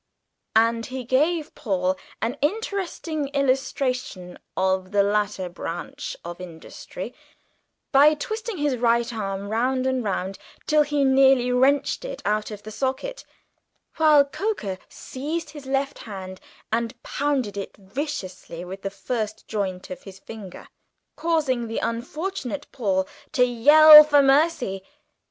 And he gave Paul an interesting illustration of the latter branch of industry by twisting his right arm round and round till he nearly wrenched it out of the socket, while Coker seized his left hand and pounded it vigorously with the first joint of his forefinger, causing the unfortunate Paul to yell for mercy.